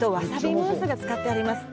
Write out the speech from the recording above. ムースが使ってあります。